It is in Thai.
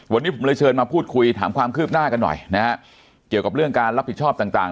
วันนี้ผมเลยเชิญมาพูดคุยถามความคืบหน้ากันหน่อยนะฮะเกี่ยวกับเรื่องการรับผิดชอบต่างต่าง